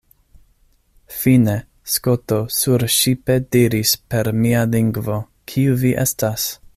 Fine, Skoto surŝipe diris per mia lingvo, Kiu vi estas?